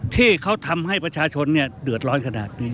ที่เขาทำให้ประชาชนเดือดร้อนขนาดนี้